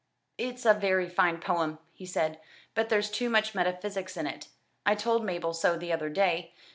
"It's a very fine poem," he said, "but there's too much metaphysics in it. I told Mabel so the other day.